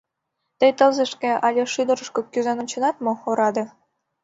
Тый тылзышке але шӱдырышкӧ кӱзен онченат мо, ораде?